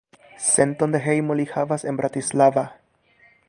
Senton de hejmo li havas en Bratislava.